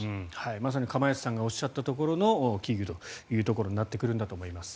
まさに釜萢さんがおっしゃったところの危惧となってくるんだと思います。